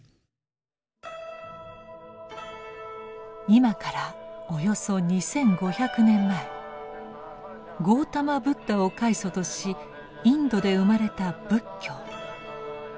今からおよそ２，５００年前ゴータマ・ブッダを開祖としインドで生まれた仏教。